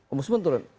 om busman turun